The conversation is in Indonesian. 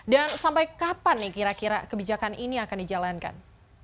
dan sampai kapan kira kira kebijakan ini akan dijalankan